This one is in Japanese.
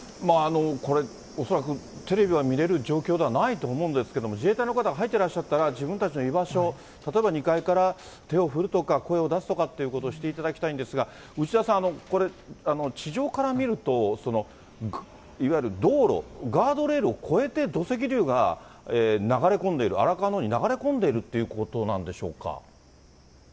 これ、恐らくテレビは見れる状況ではないと思うんですけれども、自衛隊の方が入ってらっしゃったら、自分たちの居場所、例えば２階から手を振るとか、声を出すとかっていうことをしていただきたいんですが、内田さん、地上から見ると、いわゆる道路、ガードレールを越えて土石流が流れ込んでいる、荒川のほうに流れ込んでいるということなんでしょうか。